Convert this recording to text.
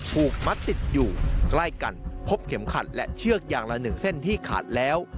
ถูกมัดติดอยู่ใกล้กันพบเข็มขัดและเชือกอย่างละหนึ่งเส้นที่ขาดแล้ว